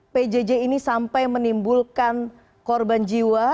pjj ini sampai menimbulkan korban jiwa